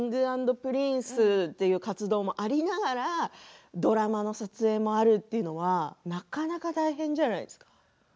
Ｋｉｎｇ＆Ｐｒｉｎｃｅという活動もありながらドラマの撮影もあるというのはなかなか大変じゃないですか。